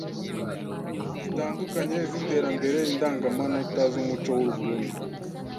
zitandukanye z’iterambere Indangamanota z’umuco w’u Burunndi